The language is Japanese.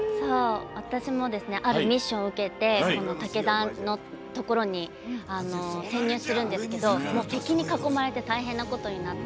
私もあるミッションを受けて武田のところに潜入するんですが敵に囲まれて大変なことになって。